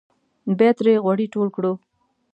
بیا ترې غوړي ټول کړو.